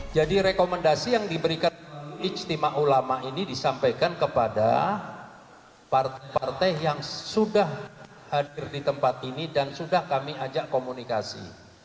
jadi rekomendasi yang diberikan ijtima ulama ini disampaikan kepada partai partai yang sudah hadir di tempat ini dan sudah kami ajak komunikasi